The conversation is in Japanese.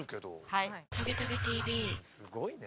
すごいね。